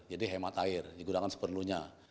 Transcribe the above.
jadi hemat air digunakan seperlunya